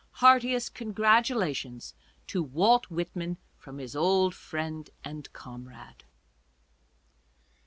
Heartiest congratulations to Walt Whitman from his old friend and comrade.